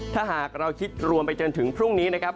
ถ้าหากเราคิดรวมไปจนถึงพรุ่งนี้นะครับ